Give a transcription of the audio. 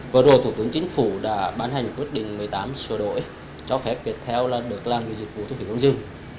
vừa rồi thủ tướng chính phủ đã bán hành quyết định một mươi tám sửa đổi cho phép viettel được làm như dịch vụ thu phí không dừng